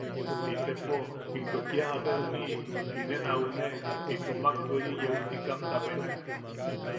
–Itepo, into kia jabe juniʼi, inen aune, itomak weri yeu sikamta benak.